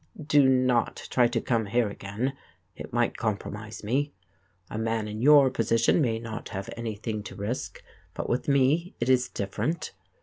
Do not try to come here again. It might compromise me. A man in your position may not have anything to risk, but with me it is different.